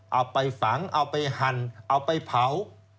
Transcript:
เอาไปฝังเอาไปหั่นเอาไปเผา